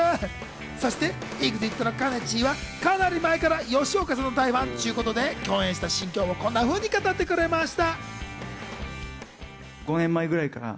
そしてＥＸＩＴのかねちーはかなり前から吉岡さんの大ファンということで共演した心境をこんなふうに語ってくれました。